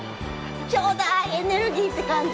ちょうだい！エネルギー！って感じ。